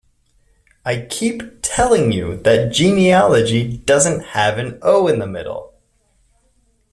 I keep telling you that genealogy doesn't have an ‘o’ in the middle.